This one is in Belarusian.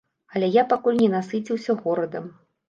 Але я пакуль не насыціўся горадам.